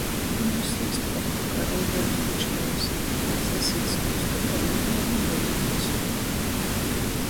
Nūsvīst kopku kai Olgai nu Byčkovys, sasīt skustu kai Emilei nu Bogotuos.